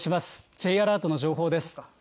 Ｊアラートの情報です。